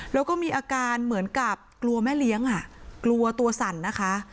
แล้วก็มีอาการเหมือนกับกลัวแม่เลี้ยงอ่ะกลัวตัวสั่นนะคะ